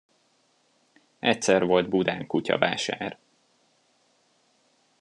Egyszer volt Budán kutyavásár.